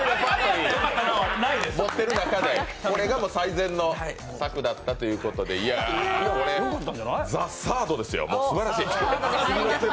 持ってる中で、これが最善の策だったということで、「ＴＨＥＴＨＩＲＤ」ですよ、すばらしい。